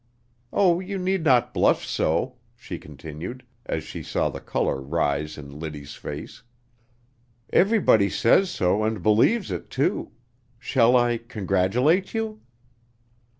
Oh, you need not blush so," she continued, as she saw the color rise in Liddy's face, "everybody says so and believes it, too. Shall I congratulate you?"